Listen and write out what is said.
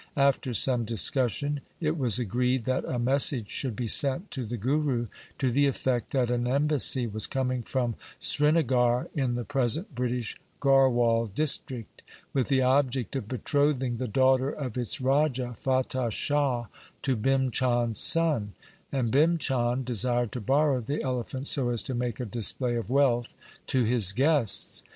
After some discussion it was agreed that a message should be sent to the Guru to the effect that an embassy was coming from Srinagar in the present British Garhwal district, with the object of betrothing the daughter of its Raja, Fatah Shah, to Bhim Chand' s son j and Bhim Chand desired to borrow the elephant so as to make a display of wealth to his guests.